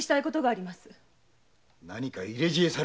何か入れ知恵されたな？